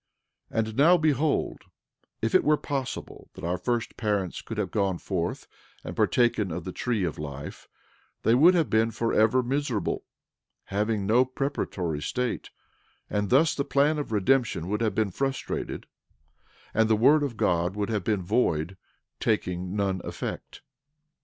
12:26 And now behold, if it were possible that our first parents could have gone forth and partaken of the tree of life they would have been forever miserable, having no preparatory state; and thus the plan of redemption would have been frustrated, and the word of God would have been void, taking none effect.